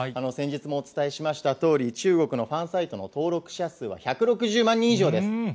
先日もお伝えしましたとおり、中国のファンサイトの登録者数は１６０万人以上です。